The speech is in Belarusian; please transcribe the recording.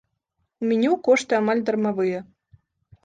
У меню кошты амаль дармавыя.